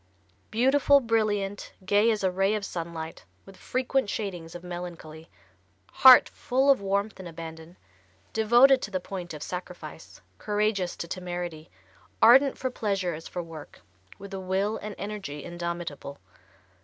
Beautiful, brilliant, gay as a ray of sunlight, with frequent shadings of melancholy; heart full of warmth and abandon; devoted to the point of sacrifice; courageous to temerity; ardent for pleasure as for work; with a will and energy indomitable.